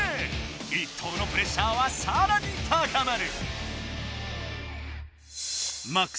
一投のプレッシャーはさらに高まる。